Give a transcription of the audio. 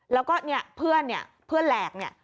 แล้วก็เนี่ยเพื่อนเนี่ยเพื่อนแหลกเนี่ย